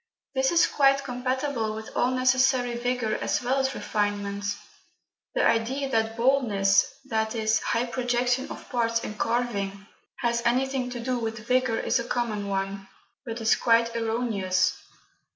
This is quite compatible with all necessary vigour as well as refinement. The idea that boldness viz. high projection of parts in carving has anything to do with vigour is a common one, but is quite erroneous.